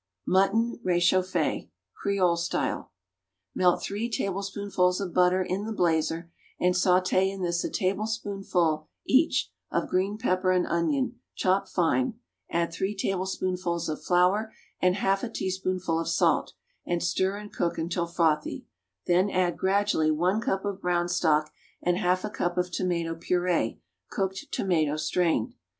=Mutton Réchauffé.= (Creole Style.) Melt three tablespoonfuls of butter in the blazer and sauté in this a tablespoonful, each, of green pepper and onion, chopped fine; add three tablespoonfuls of flour and half a teaspoonful of salt, and stir and cook until frothy; then add, gradually, one cup of brown stock and half a cup of tomato purée (cooked tomato strained).